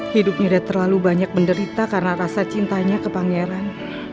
hidup tidak terlalu banyak menderita karena rasa cintanya ke pangeran